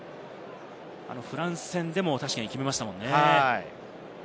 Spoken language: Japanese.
フランス戦でも確かに決めましたよね。